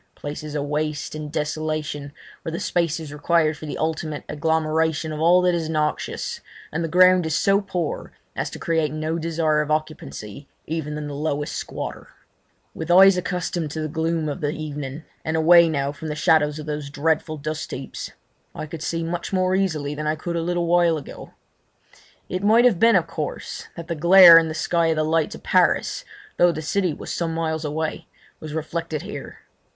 Places of waste and desolation, where the space is required for the ultimate agglomeration of all that is noxious, and the ground is so poor as to create no desire of occupancy even in the lowest squatter. With eyes accustomed to the gloom of the evening, and away now from the shadows of those dreadful dustheaps, I could see much more easily than I could a little while ago. It might have been, of course, that the glare in the sky of the lights of Paris, though the city was some miles away, was reflected here.